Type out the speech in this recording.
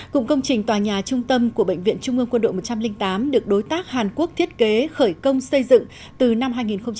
cụm công trình tòa nhà trung tâm của bệnh viện trung ương quân đội một trăm linh tám được đối tác hàn quốc thiết kế khởi công xây dựng từ năm hai nghìn một mươi